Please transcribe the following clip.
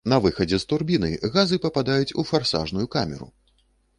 На выхадзе з турбіны газы пападаюць у фарсажную камеру.